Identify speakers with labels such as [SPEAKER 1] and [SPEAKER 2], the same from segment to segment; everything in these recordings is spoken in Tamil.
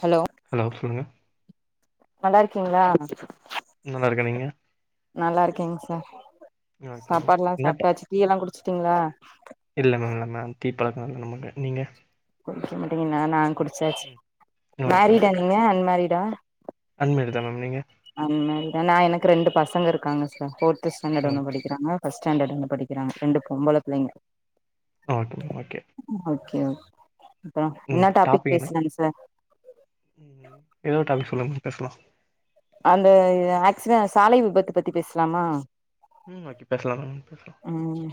[SPEAKER 1] ஹலோ
[SPEAKER 2] ஹலோ சொல்லுங்க
[SPEAKER 1] நல்லாருக்கீங்களா
[SPEAKER 2] நல்லாருக்க நீங்க
[SPEAKER 1] நல்லா இருக்கேங்க சார்
[SPEAKER 2] நல்லா இருக்கீங்களா
[SPEAKER 1] சாப்பாடு எல்லா
[SPEAKER 2] என்னட்ட
[SPEAKER 1] சாப்ட்டாச் டீயெல்லா குடிச்சட்டீங்களா
[SPEAKER 2] இல்ல மேம் இன்மதா டீ ப்பழக்கம் இல்ல நம்மட்ட நீங்க
[SPEAKER 1] குடிக்க மாட்டீங்கன்னா நா குடிச்சாச்சு
[SPEAKER 2] ம்
[SPEAKER 1] மேரிடா நீங்க அன்மேரிடா
[SPEAKER 2] அண்மேரிட்தாம் நீங்க
[SPEAKER 1] அன்மரிடா நா எனக்கு ரெண்டு பசங்க இருக்காங்க சார் போர்த் ஸ்டாண்டர்ட் வந்து
[SPEAKER 2] ஓகே
[SPEAKER 1] படிக்கிறாங்க ஃபஸ்ட் ஸ்டாண்டர்ட் ஒன்னு படிக்கிறாங்க ரெண்டு பொம்பள பிள்ளைங்க
[SPEAKER 2] ஓகே மேம் ஓகே
[SPEAKER 1] ஓக்கே ஓ
[SPEAKER 2] ம் டாபிக் என்ன ம் ஏதோ டாபிக் சொல்லுங்க பேசலா
[SPEAKER 1] அந்த ஆக்சிட சாலை விபத்து பத்தி பேசலாமா
[SPEAKER 2] ம் ஓக்கே பேசலா மேம் பேசலா
[SPEAKER 1] ம்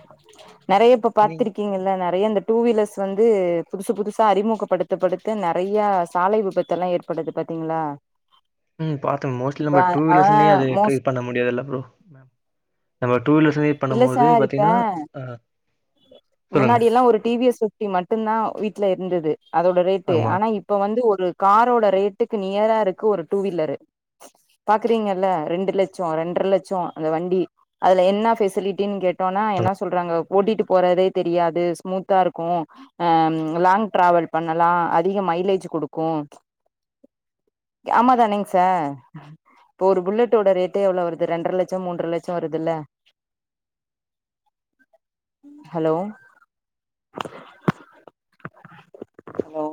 [SPEAKER 1] நெறைய இப்ப
[SPEAKER 2] நீங்
[SPEAKER 1] பாத்திருக்கீங்கள்ல நெறைய இந்த டூ வீலர்ஸ் வந்து புதுசு புதுசா அறிமுகப்படுத்தப் படுத்த நெறையா சாலை விபத்தெல்லா ஏற் படுது பாத்தீங்ளா
[SPEAKER 2] ம் பாத்தே மோஸ்ட்லி நம்ம டுவீலர்ஸ்னு அது ட்ரை
[SPEAKER 1] மோஸ்
[SPEAKER 2] பண்ண முடியாதுல்ல ப்ரோ மேம் நம்ம டூ வீலர்ஸ் வந்து இப்ப
[SPEAKER 1] இல்ல
[SPEAKER 2] நம்ப இதுவே
[SPEAKER 1] சார் இப்ப
[SPEAKER 2] பாத்தினா அ
[SPEAKER 1] முன்னாடி எல்லா ஒரு டி வி எஸ் பிஃப்டி மட்டுந்தா வீட்ல இருந்தது அதோட ரேட்டு
[SPEAKER 2] ஆமா
[SPEAKER 1] ஆனா இப்ப வந்து ஒரு காரோட ரேட்டுக்கு நியரா இருக்கு ஒரு டூ வீலரு பாக்குறீங்கள்ல ரெண்டு லச்சோ ரெண்டரை லச்சோ அந்த வண்டி அதுல என்ன ஃபெசிலிட்டின் கே ட்டோனா
[SPEAKER 2] ஹலோ
[SPEAKER 1] என்ன சொல்றாங்க ஓட்டிட்டு போறதே தெரியாது ஸ்மூத்தா இருக்கு அ லாங் டிராவல் பண்ணலா அதிக மைலேஜ் குடுக்கு ஆமா தானேங் சா இப்போ ஒரு புல்லட்டோட ரேட்டே எவ்ளோ வருது ரெண்ற லச்சோ மூன்ற லச்சோ வருதுல்ல ஹலோ ஹலோ